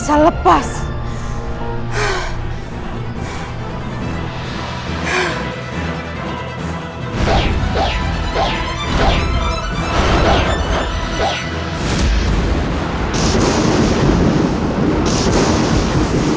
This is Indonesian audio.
menyembahkan aku di video ini